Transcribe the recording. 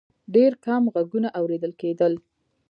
ډېر کم غږونه اورېدل کېدل.